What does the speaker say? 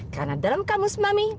karena dalam kamus mami